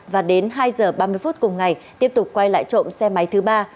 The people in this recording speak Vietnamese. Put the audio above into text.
và đến hai h ba mươi phút cùng ngày tiếp tục quay lại trộm xe máy thứ ba